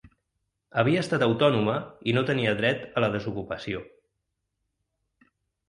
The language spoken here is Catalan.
Havia estat autònoma i no tenia dret a la desocupació.